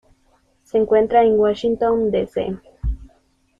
Se encuentra en Washington, D. C..